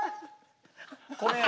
これや！